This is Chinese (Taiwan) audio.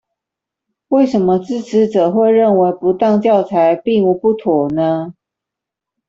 為什麼支持者會認為不當教材並無不妥呢？